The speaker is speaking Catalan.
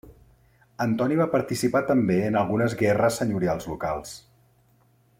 Antoni va participar també en algunes guerres senyorials locals.